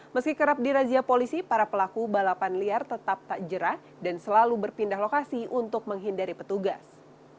meski kerap dirazia polisi para pelaku balapan liar tetap tak jerah dan selalu berpindah lokasi untuk menghindari petugas